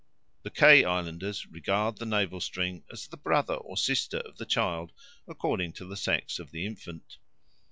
The Kei islanders regard the navel string as the brother or sister of the child, according to the sex of the infant.